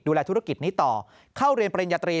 ธุรกิจนี้ต่อเข้าเรียนปริญญาตรี